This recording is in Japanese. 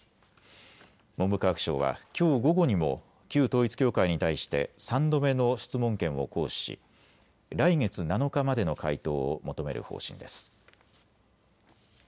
文部科学省はきょう午後にも旧統一教会に対して３度目の質問権を行使し来月７日までの回答を求める方針です。